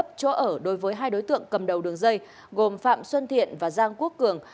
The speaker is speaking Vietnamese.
cơ quan công an thu giữ hai đối tượng cầm đầu đường dây gồm phạm xuân thiện và giang quốc cường